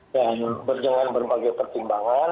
dan berjalanan berbagai pertimbangan